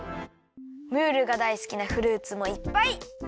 ムールがだいすきなフルーツもいっぱい！